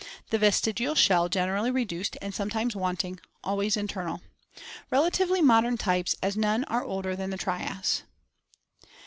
The vestigial shell generally reduced and sometimes wanting, always internal. Relatively modern types, as none are older than the Trias.